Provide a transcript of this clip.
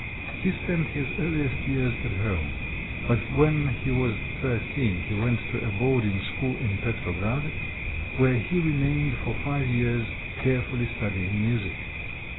He spent his earliest years at home, but when he was thirteen he went to a boarding school in Petrograd, where he remained for five years, carefully studying music.